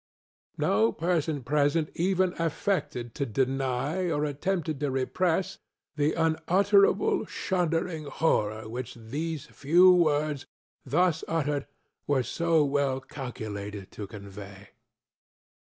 ŌĆØ No person present even affected to deny, or attempted to repress, the unutterable, shuddering horror which these few words, thus uttered, were so well calculated to convey.